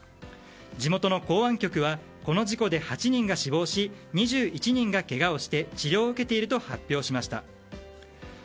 地元の公安局は、この事故で８人が死亡し２１人がけがをして治療を受けていると発表しました。